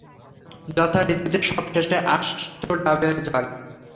যথাঋতুতে সব-শেষে আসত ডাবের জল।